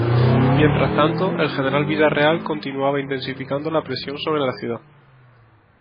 Mientras tanto, el general Villarreal continuaba intensificando la presión sobre la ciudad.